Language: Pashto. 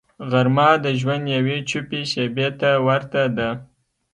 غرمه د ژوند یوې چوپې شیبې ته ورته ده